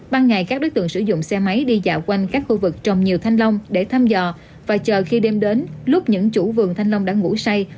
ban ngày các đối tượng sử dụng xe máy đi dạo quanh các khu vực trồng nhiều thanh long để thăm dò và chờ khi đêm đến lúc những chủ vườn thanh long đã ngủ say